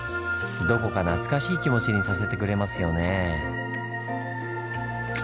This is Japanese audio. どこか懐かしい気持ちにさせてくれますよねぇ。